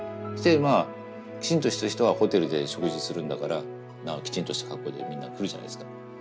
そしてまあきちんとした人はホテルで食事するんだからきちんとした格好でみんな来るじゃないですか。